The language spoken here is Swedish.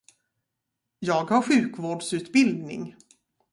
Jag har sjukvårdsutbildning.